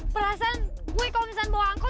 perasaan gue kalau misalnya bawa angkot